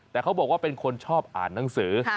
แต่เขาบอกว่าเป็นคนชอบอ่านหนังสือ